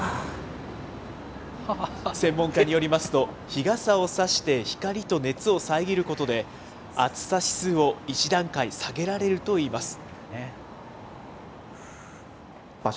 専門家によりますと、日傘を差して光と熱を遮ることで、暑さ指数を１段階下げられるといいます。